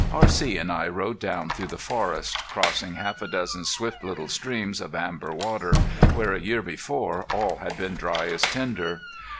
R.C. and I rode down through the forest, crossing half a dozen swift little streams of amber water, where a year before all had been dry as tinder.